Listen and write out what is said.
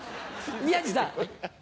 宮治さん。